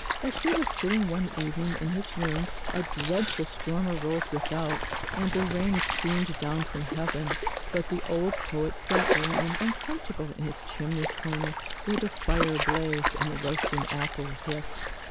As he was sitting one evening in his room, a dreadful storm arose without, and the rain streamed down from heaven; but the old poet sat warm and comfortable in his chimney corner, where the fire blazed and the roasting apple hissed.